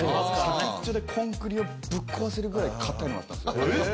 先っちょでコンクリをぶっ壊せるぐらい硬いのがあったんすよ。